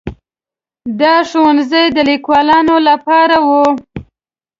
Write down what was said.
دا ښوونځي د لیکوالانو لپاره وو.